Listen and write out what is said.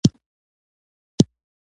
زړه مې ځکه کره و.